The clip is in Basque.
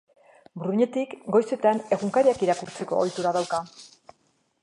Brunettik goizetan egunkariak irakurtzeko ohitura dauka.